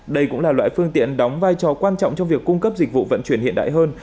đây cũng là loại phương tiện đóng vai trò quan trọng trong việc cung cấp dịch vụ vận chuyển hiện đại hơn